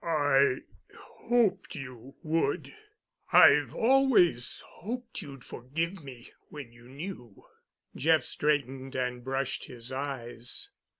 "I hoped you would. I've always hoped you'd forgive me when you knew." Jeff straightened and brushed his eyes.